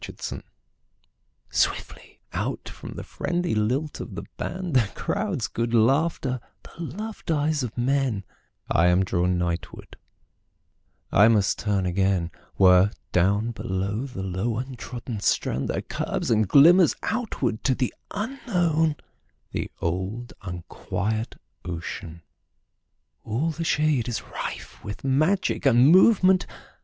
Seaside SWIFTLY out from the friendly lilt of the band, The crowd's good laughter, the loved eyes of men,I am drawn nightward; I must turn againWhere, down beyond the low untrodden strand, There curves and glimmers outward to the unknownThe old unquiet ocean. All the shadeIs rife with magic and movement.